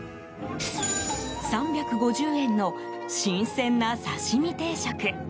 ３５０円の新鮮な刺身定食。